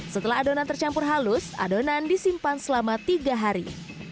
setelah adonan tercampur halus adonan disimpan selama tiga hari